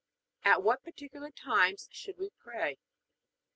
At what particular times should we pray?